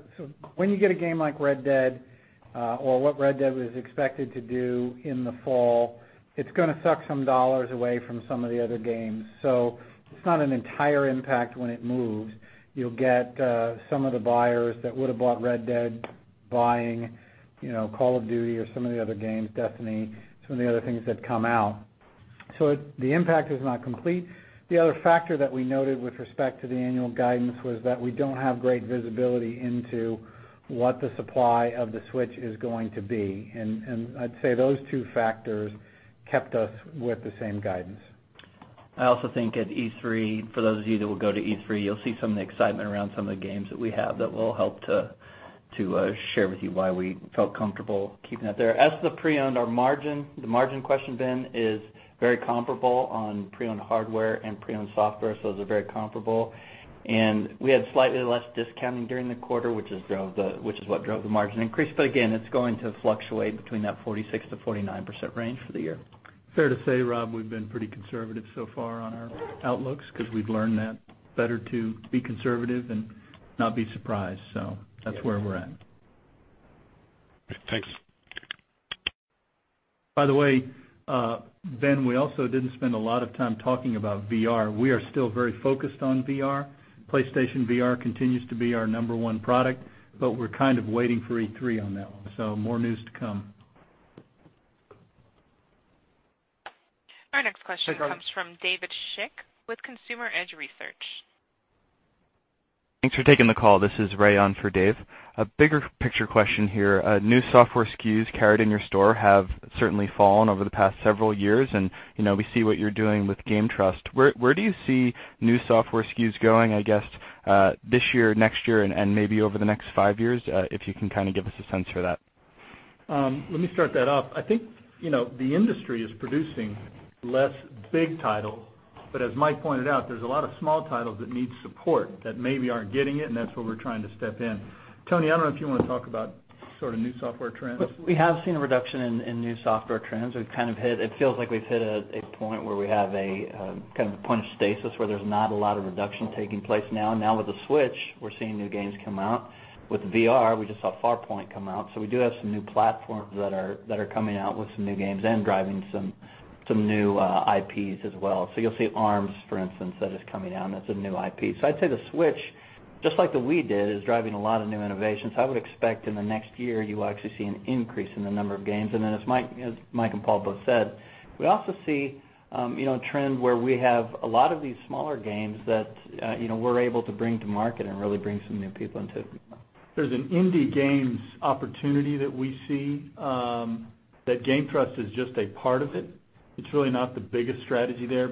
When you get a game like Red Dead, or what Red Dead was expected to do in the fall, it's going to suck some dollars away from some of the other games. It's not an entire impact when it moves. You'll get some of the buyers that would have bought Red Dead buying Call of Duty or some of the other games, Destiny, some of the other things that come out. The impact is not complete. The other factor that we noted with respect to the annual guidance was that we don't have great visibility into what the supply of the Switch is going to be. I'd say those two factors kept us with the same guidance. I also think at E3, for those of you that will go to E3, you'll see some of the excitement around some of the games that we have that will help to share with you why we felt comfortable keeping that there. As to the pre-owned, our margin, the margin question, Ben, is very comparable on pre-owned hardware and pre-owned software, so those are very comparable. We had slightly less discounting during the quarter, which is what drove the margin increase. Again, it's going to fluctuate between that 46%-49% range for the year. Fair to say, Rob, we've been pretty conservative so far on our outlooks because we've learned that better to be conservative and not be surprised. That's where we're at. Thanks. By the way, Ben, we also didn't spend a lot of time talking about VR. We are still very focused on VR. PlayStation VR continues to be our number one product. We're kind of waiting for E3 on that one. More news to come. Our next question comes from David Schick with Consumer Edge Research. Thanks for taking the call. This is Ray on for Dave. A bigger picture question here. New software SKUs carried in your store have certainly fallen over the past several years, and we see what you're doing with GameTrust. Where do you see new software SKUs going, I guess, this year, next year, and maybe over the next five years, if you can kind of give us a sense for that? Let me start that off. I think the industry is producing less big titles, but as Mike pointed out, there's a lot of small titles that need support that maybe aren't getting it, and that's where we're trying to step in. Tony, I don't know if you want to talk about sort of new software trends. We have seen a reduction in new software trends. It feels like we've hit a point where we have a point of stasis where there's not a lot of reduction taking place now. With the Switch, we're seeing new games come out. With VR, we just saw Farpoint come out. We do have some new platforms that are coming out with some new games and driving some new IPs as well. You'll see Arms, for instance, that is coming out, and that's a new IP. I'd say the Switch, just like the Wii did, is driving a lot of new innovations. I would expect in the next year, you will actually see an increase in the number of games. As Mike and Paul both said, we also see a trend where we have a lot of these smaller games that we're able to bring to market and really bring some new people into. There's an indie games opportunity that we see that GameTrust is just a part of it. It's really not the biggest strategy there.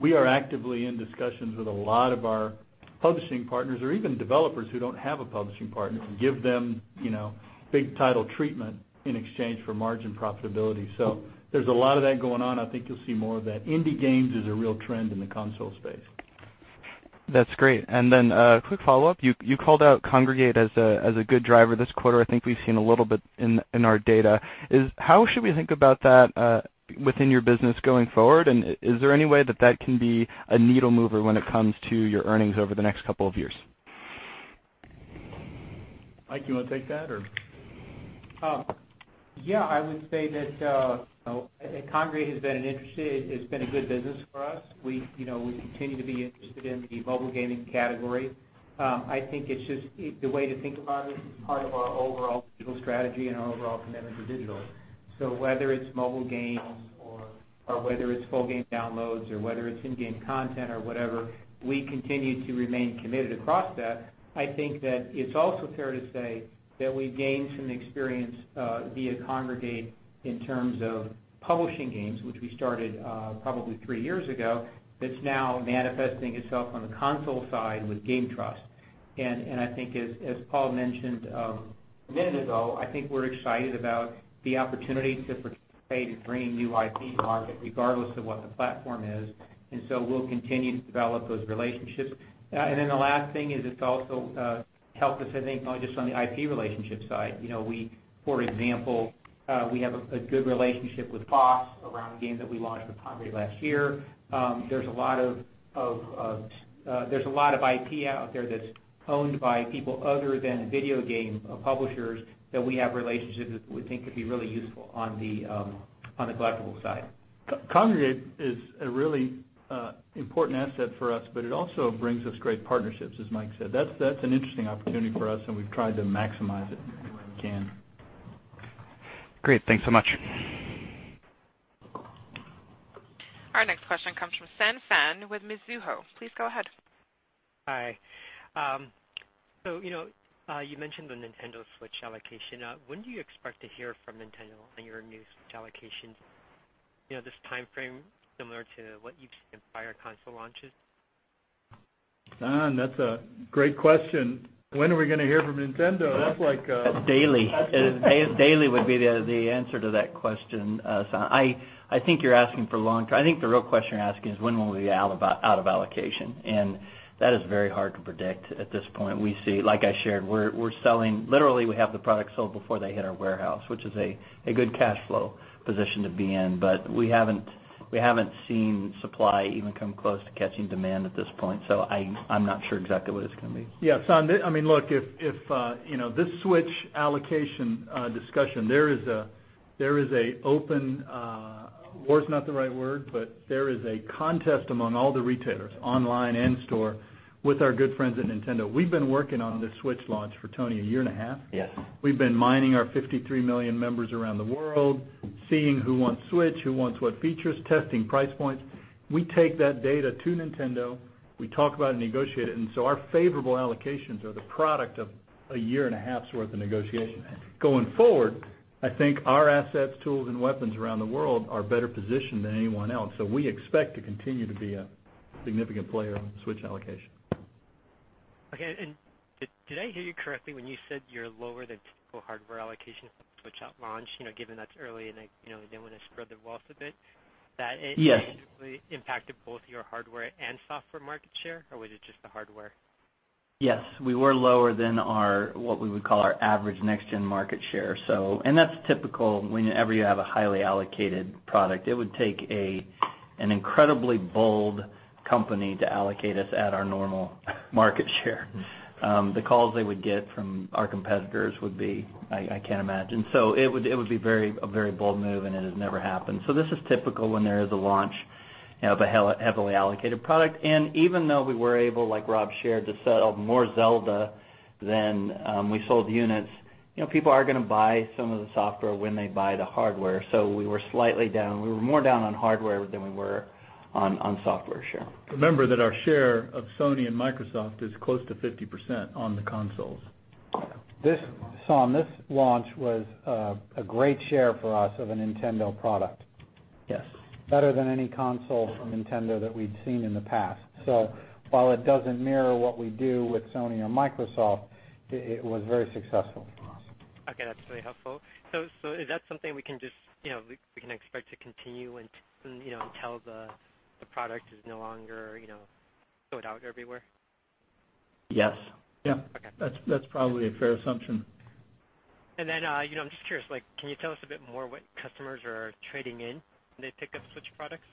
We are actively in discussions with a lot of our publishing partners or even developers who don't have a publishing partner to give them big title treatment in exchange for margin profitability. There's a lot of that going on. I think you'll see more of that. Indie games is a real trend in the console space. That's great. Then a quick follow-up. You called out Kongregate as a good driver this quarter. I think we've seen a little bit in our data. How should we think about that within your business going forward? Is there any way that that can be a needle mover when it comes to your earnings over the next couple of years? Mike, you want to take that or? I would say that Kongregate has been a good business for us. We continue to be interested in the mobile gaming category. I think the way to think about it is part of our overall digital strategy and our overall commitment to digital. Whether it's mobile games or whether it's full game downloads or whether it's in-game content or whatever, we continue to remain committed across that. I think that it's also fair to say that we gained some experience via Kongregate in terms of publishing games, which we started probably three years ago, that's now manifesting itself on the console side with GameTrust. I think as Paul mentioned a minute ago, I think we're excited about the opportunity to participate in bringing new IP to market, regardless of what the platform is. We'll continue to develop those relationships. The last thing is it's also helped us, I think, not just on the IP relationship side. For example, we have a good relationship with FoxNext Games around a game that we launched with Kongregate last year. There's a lot of IP out there that's owned by people other than video game publishers that we have relationships with that we think could be really useful on the collectible side. Kongregate is a really important asset for us, but it also brings us great partnerships, as Mike said. That's an interesting opportunity for us, and we've tried to maximize it where we can. Great. Thanks so much. Our next question comes from Sen Phan with Mizuho. Please go ahead. Hi. You mentioned the Nintendo Switch allocation. When do you expect to hear from Nintendo on your new Switch allocations? Is this timeframe similar to what you've seen in prior console launches? Seth, that's a great question. When are we going to hear from Nintendo? Daily would be the answer to that question, Seth. I think the real question you're asking is when will we be out of allocation? That is very hard to predict at this point. Like I shared, literally, we have the product sold before they hit our warehouse, which is a good cash flow position to be in. We haven't seen supply even come close to catching demand at this point, I'm not sure exactly what it's going to be. Yeah, San, look, this Switch allocation discussion, there is a contest among all the retailers, online and in-store, with our good friends at Nintendo. We've been working on this Switch launch for, Tony, a year and a half? Yes. We've been mining our 53 million members around the world, seeing who wants Switch, who wants what features, testing price points. We take that data to Nintendo, we talk about it and negotiate it. Our favorable allocations are the product of a year and a half's worth of negotiation. Going forward, I think our assets, tools, and weapons around the world are better positioned than anyone else. We expect to continue to be a significant player on the Switch allocation. Okay, did I hear you correctly when you said you're lower than typical hardware allocations at launch, given that's early and they want to spread the wealth a bit. Yes It impacted both your hardware and software market share, or was it just the hardware? Yes. We were lower than what we would call our average next gen market share. That's typical whenever you have a highly allocated product. It would take an incredibly bold company to allocate us at our normal market share. The calls they would get from our competitors would be I can't imagine. It would be a very bold move, and it has never happened. This is typical when there is a launch of a heavily allocated product. Even though we were able, like Rob shared, to sell more "Zelda" than we sold units, people are going to buy some of the software when they buy the hardware. We were slightly down. We were more down on hardware than we were on software share. Remember that our share of Sony and Microsoft is close to 50% on the consoles. San, this launch was a great share for us of a Nintendo product. Yes. Better than any console from Nintendo that we'd seen in the past. While it doesn't mirror what we do with Sony or Microsoft, it was very successful for us. Okay, that's very helpful. Is that something we can expect to continue until the product is no longer sold out everywhere? Yes. Yep. Okay. That's probably a fair assumption. I'm just curious, can you tell us a bit more what customers are trading in when they pick up Switch products?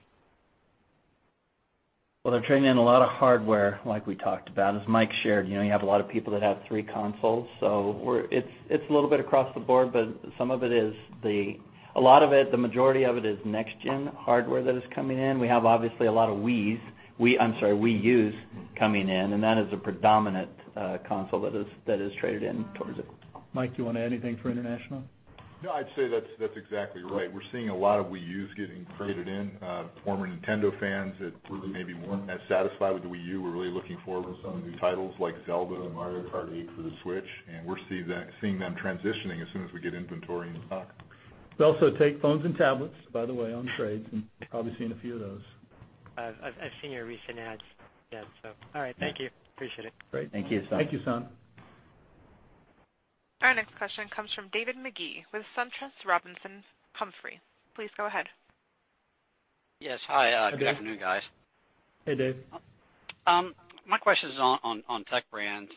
Well, they're trading in a lot of hardware, like we talked about. As Mike shared, you have a lot of people that have three consoles. It's a little bit across the board, but a lot of it, the majority of it is next gen hardware that is coming in. We have, obviously, a lot of Wii Us coming in, and that is a predominant console that is traded in towards it. Mike, do you want to add anything for international? No, I'd say that's exactly right. We're seeing a lot of Wii Us getting traded in. Former Nintendo fans that really maybe weren't as satisfied with the Wii U, were really looking forward to some of the new titles like "Zelda" and "Mario Kart 8" for the Switch, and we're seeing them transitioning as soon as we get inventory in stock. We also take phones and tablets, by the way, on trades. You've probably seen a few of those. I've seen your recent ads. Yes, all right. Thank you. Appreciate it. Great. Thank you, San. Thank you, San. Our next question comes from David Magee with SunTrust Robinson Humphrey. Please go ahead. Yes. Hi. Good afternoon, guys. Hey, Dave. My question is on Tech Brands.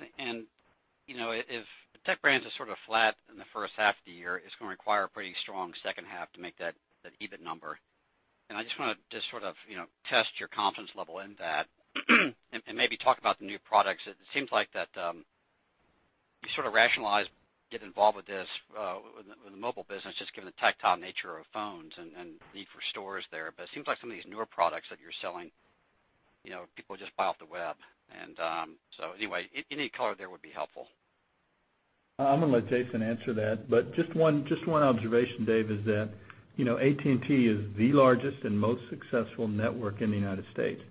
If Tech Brands is sort of flat in the first half of the year, it's going to require a pretty strong second half to make that EBIT number. I just want to just sort of test your confidence level in that and maybe talk about the new products. It seems like that you sort of rationalize, get involved with this, with the mobile business, just given the tactile nature of phones and need for stores there. It seems like some of these newer products that you're selling people just buy off the web. Anyway, any color there would be helpful. I'm going to let Jason answer that, just one observation, Dave, is that AT&T is the largest and most successful network in the United States.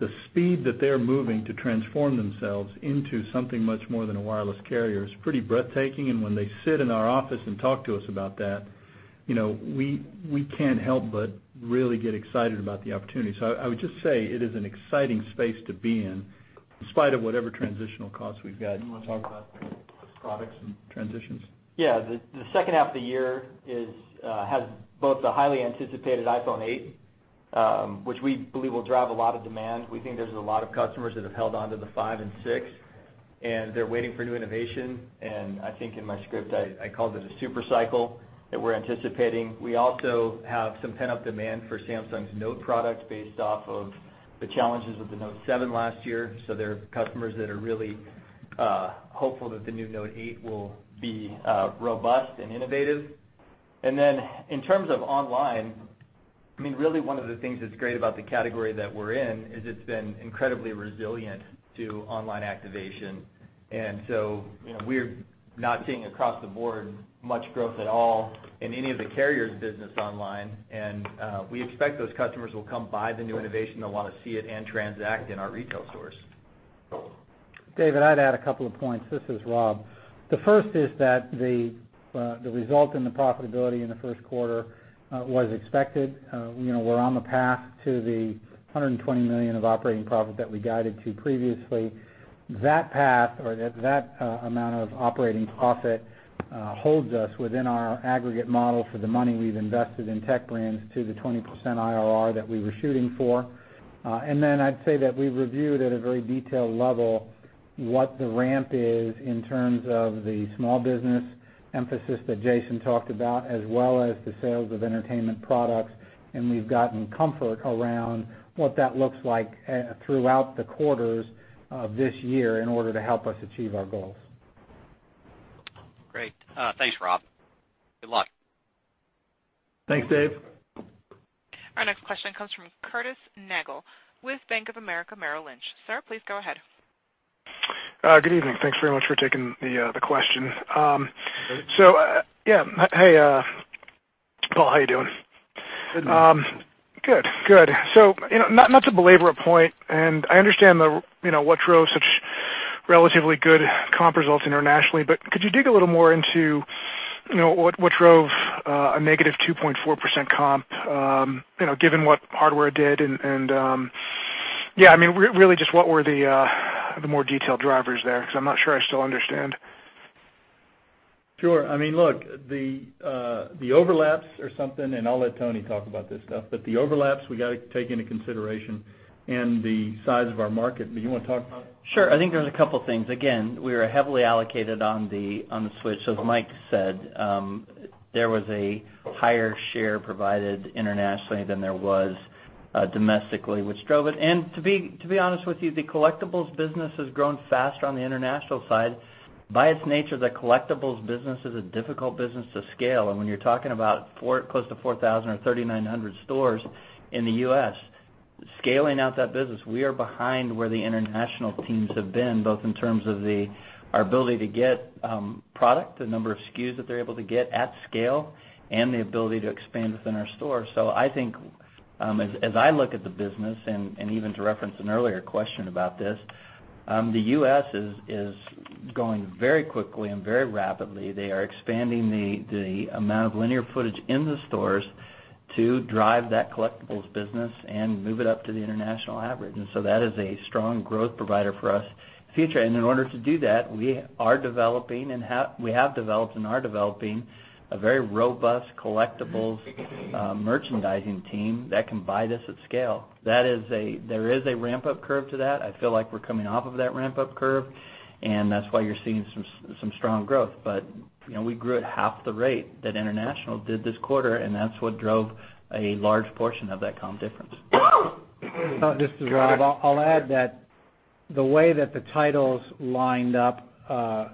The speed that they're moving to transform themselves into something much more than a wireless carrier is pretty breathtaking. When they sit in our office and talk to us about that, we can't help but really get excited about the opportunity. I would just say it is an exciting space to be in spite of whatever transitional costs we've got. You want to talk about products and transitions? Yeah. The second half of the year has both the highly anticipated iPhone 8, which we believe will drive a lot of demand. We think there's a lot of customers that have held onto the 5 and 6, and they're waiting for new innovation. I think in my script, I called it a super cycle that we're anticipating. We also have some pent-up demand for Samsung's Note product based off of the challenges of the Note 7 last year. There are customers that are really hopeful that the new Note 8 will be robust and innovative. In terms of online, really one of the things that's great about the category that we're in is it's been incredibly resilient to online activation. We're not seeing across the board much growth at all in any of the carriers business online. We expect those customers will come buy the new innovation. They'll want to see it and transact in our retail stores. David, I'd add a couple of points. This is Rob. The first is that the result in the profitability in the first quarter was expected. We're on the path to the $120 million of operating profit that we guided to previously. That path or that amount of operating profit holds us within our aggregate model for the money we've invested in Tech Brands to the 20% IRR that we were shooting for. I'd say that we reviewed at a very detailed level what the ramp is in terms of the small business emphasis that Jason talked about, as well as the sales of entertainment products. We've gotten comfort around what that looks like throughout the quarters of this year in order to help us achieve our goals. Great. Thanks, Rob. Good luck. Thanks, Dave. Our next question comes from Curtis Nagle with Bank of America Merrill Lynch. Sir, please go ahead. Good evening. Thanks very much for taking the question. Curtis. Yeah. Hey, Paul, how you doing? Good man. Good. Not to belabor a point, and I understand what drove such relatively good comp results internationally, but could you dig a little more into what drove a negative 2.4% comp, given what hardware did, and really just what were the more detailed drivers there? I'm not sure I still understand. Sure. Look, the overlaps are something, I'll let Tony talk about this stuff, the overlaps, we got to take into consideration and the size of our market. Do you want to talk about it? Sure. I think there's a couple things. Again, we are heavily allocated on the Switch, as Mike said. There was a higher share provided internationally than there was domestically, which drove it. To be honest with you, the collectibles business has grown faster on the international side. By its nature, the collectibles business is a difficult business to scale. When you're talking about close to 4,000 or 3,900 stores in the U.S., scaling out that business, we are behind where the international teams have been, both in terms of our ability to get product, the number of SKUs that they're able to get at scale, the ability to expand within our stores. I think, as I look at the business, and even to reference an earlier question about this, the U.S. is growing very quickly and very rapidly. They are expanding the amount of linear footage in the stores to drive that collectibles business and move it up to the international average. That is a strong growth provider for us in the future. In order to do that, we have developed and are developing a very robust collectibles merchandising team that can buy this at scale. There is a ramp-up curve to that. I feel like we're coming off of that ramp-up curve, that's why you're seeing some strong growth. We grew at half the rate that international did this quarter, that's what drove a large portion of that comp difference. This is Rob. I'll add that the way that the titles lined up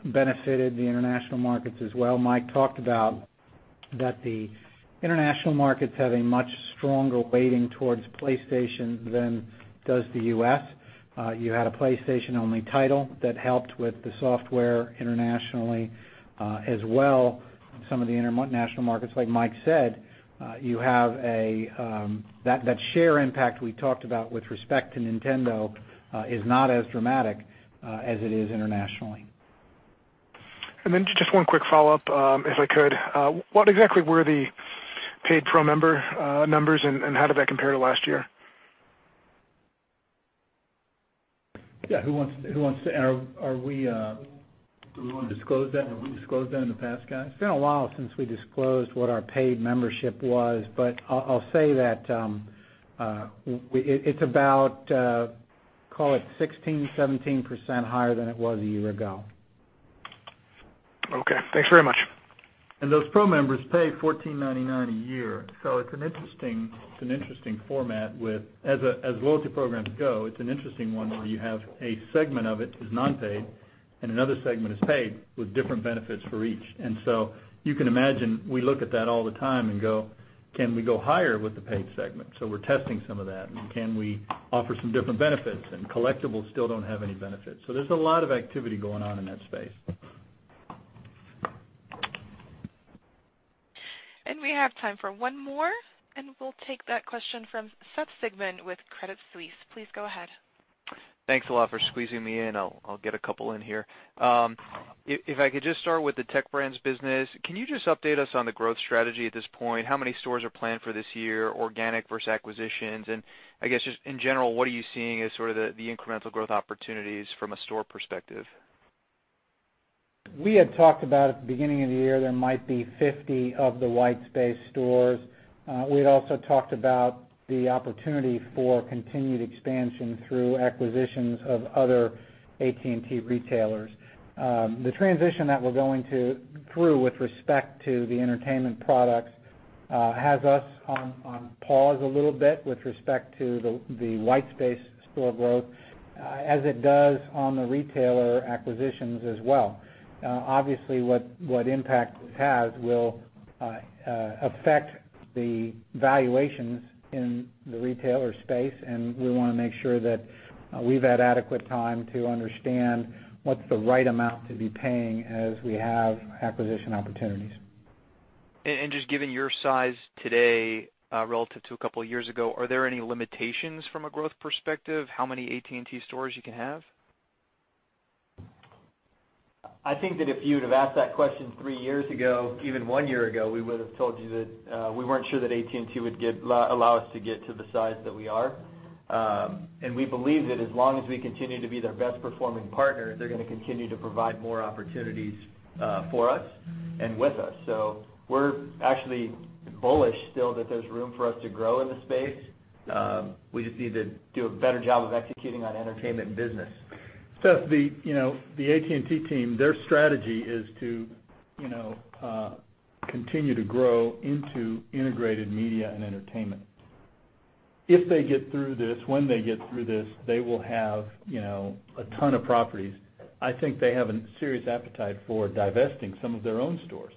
benefited the international markets as well. Mike talked about that the international markets have a much stronger weighting towards PlayStation than does the U.S. You had a PlayStation-only title that helped with the software internationally. As well, some of the international markets, like Mike said, that share impact we talked about with respect to Nintendo, is not as dramatic as it is internationally. Just one quick follow-up, if I could. What exactly were the paid PRO member numbers, and how did that compare to last year? Yeah, who wants to? Are we- Do we want to disclose that? Have we disclosed that in the past, guys? It's been a while since we disclosed what our paid membership was. I'll say that it's about, call it 16%-17% higher than it was a year ago. Okay. Thanks very much. Those PRO members pay $14.99 a year. It's an interesting format. As loyalty programs go, it's an interesting one where you have a segment of it is non-paid. Another segment is paid with different benefits for each. You can imagine, we look at that all the time and go, "Can we go higher with the paid segment?" We're testing some of that, can we offer some different benefits, collectibles still don't have any benefits. There's a lot of activity going on in that space. We have time for one more, we'll take that question from Seth Sigman with Credit Suisse. Please go ahead. Thanks a lot for squeezing me in. I'll get a couple in here. If I could just start with the Tech Brands business, can you just update us on the growth strategy at this point? How many stores are planned for this year, organic versus acquisitions? I guess just in general, what are you seeing as sort of the incremental growth opportunities from a store perspective? We had talked about at the beginning of the year, there might be 50 of the white space stores. We had also talked about the opportunity for continued expansion through acquisitions of other AT&T retailers. The transition that we're going through with respect to the entertainment products has us on pause a little bit with respect to the white space store growth, as it does on the retailer acquisitions as well. Obviously, what impact has will affect the valuations in the retailer space, and we want to make sure that we've had adequate time to understand what's the right amount to be paying as we have acquisition opportunities. Just given your size today relative to a couple of years ago, are there any limitations from a growth perspective, how many AT&T stores you can have? I think that if you'd have asked that question three years ago, even one year ago, we would've told you that we weren't sure that AT&T would allow us to get to the size that we are. We believe that as long as we continue to be their best-performing partner, they're going to continue to provide more opportunities for us and with us. We're actually bullish still that there's room for us to grow in the space. We just need to do a better job of executing on entertainment business. Seth, the AT&T team, their strategy is to continue to grow into integrated media and entertainment. If they get through this, when they get through this, they will have a ton of properties. I think they have a serious appetite for divesting some of their own stores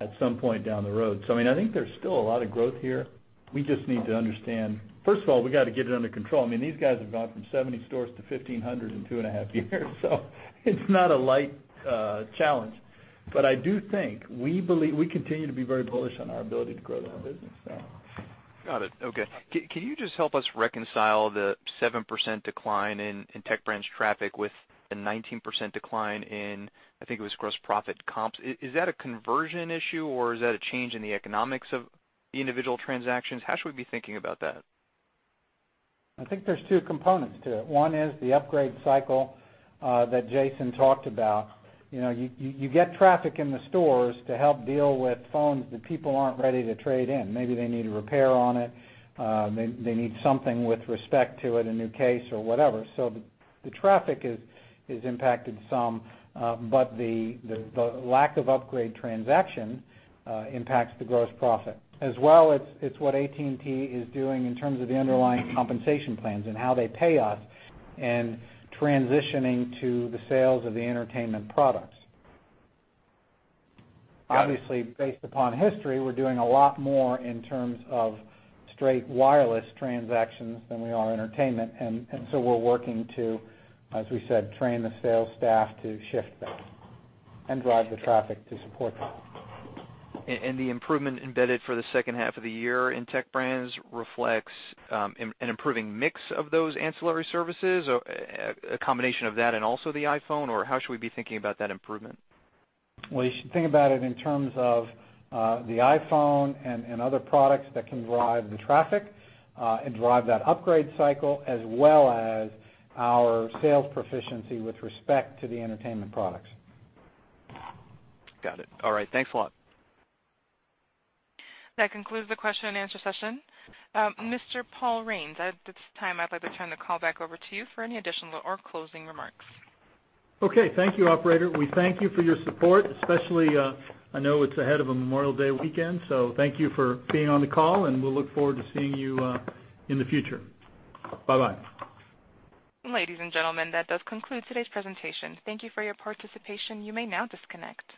at some point down the road. I think there's still a lot of growth here. We just need to understand, first of all, we got to get it under control. These guys have gone from 70 stores to 1,500 in two and a half years so it's not a light challenge. I do think, we continue to be very bullish on our ability to grow that business. Got it. Okay. Can you just help us reconcile the 7% decline in Tech Brands traffic with the 19% decline in, I think it was gross profit comps. Is that a conversion issue, or is that a change in the economics of the individual transactions? How should we be thinking about that? I think there's two components to it. One is the upgrade cycle that Jason talked about. You get traffic in the stores to help deal with phones that people aren't ready to trade in. Maybe they need a repair on it. They need something with respect to it, a new case or whatever. The traffic is impacted some, but the lack of upgrade transaction impacts the gross profit. As well, it's what AT&T is doing in terms of the underlying compensation plans and how they pay us and transitioning to the sales of the entertainment products. Got it. Obviously, based upon history, we're doing a lot more in terms of straight wireless transactions than we are entertainment. We're working to, as we said, train the sales staff to shift that and drive the traffic to support that. The improvement embedded for the second half of the year in Tech Brands reflects an improving mix of those ancillary services, a combination of that and also the iPhone, or how should we be thinking about that improvement? Well, you should think about it in terms of the iPhone and other products that can drive the traffic, and drive that upgrade cycle, as well as our sales proficiency with respect to the entertainment products. Got it. All right. Thanks a lot. That concludes the question and answer session. Mr. Paul Raines, at this time, I'd like to turn the call back over to you for any additional or closing remarks. Okay. Thank you, operator. We thank you for your support, especially, I know it's ahead of a Memorial Day weekend, so thank you for being on the call, and we'll look forward to seeing you in the future. Bye-bye. Ladies and gentlemen, that does conclude today's presentation. Thank you for your participation. You may now disconnect.